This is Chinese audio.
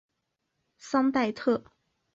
桑代特。